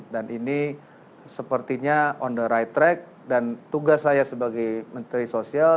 dan ini sepertinya on the right track dan tugas saya sebagai menteri sosial